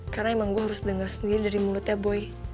karena emang gue harus dengar sendiri dari mulutnya boy